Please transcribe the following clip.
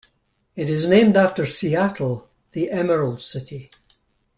It is named after Seattle, the Emerald City.